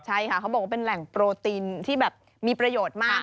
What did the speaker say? ใช่ค่ะเขาบอกว่าเป็นแหล่งโปรตีนที่แบบมีประโยชน์มาก